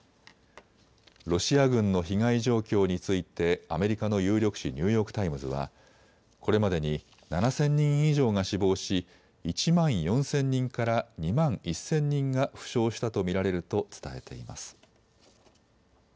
ロシア軍の被害状況についてアメリカの有力紙、ニューヨーク・タイムズはこれまでに７０００人以上が死亡し１万４０００人から２万１０００人が負傷したと見られると伝えています。